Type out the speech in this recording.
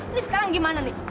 ini sekarang gimana nih